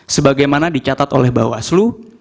sebagaimana dicatat oleh bawaslu